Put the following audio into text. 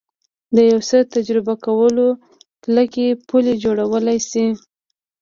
د یو څه تجربه کول کلکې پولې جوړولی شي